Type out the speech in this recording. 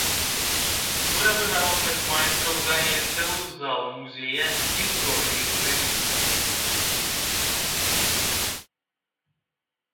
Вырабы народных майстроў занялі цэлую залу музея гісторыі рэлігіі.